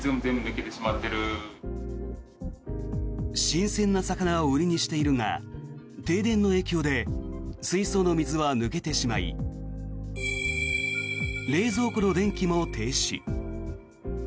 新鮮な魚を売りにしているが停電の影響で水槽の水は抜けてしまい冷蔵庫の電気も停止。